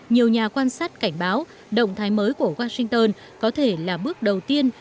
nhiều nhà quan sát cảnh báo động thái mới của washington có thể là bước đầu tiên